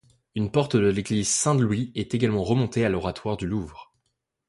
Une porte de l'église Saint-Louis est également remontée à l'Oratoire du Louvre.